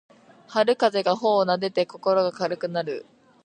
春風が頬をなでて心が軽くなる